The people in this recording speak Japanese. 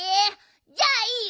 じゃあいいよ。